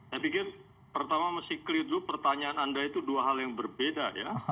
saya pikir pertama mesti clear dulu pertanyaan anda itu dua hal yang berbeda ya